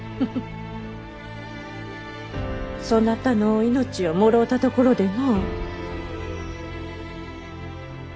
そなたの命をもろうたところでの。